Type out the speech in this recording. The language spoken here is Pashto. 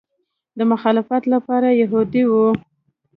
د مخالفت لپاره یهودي وي.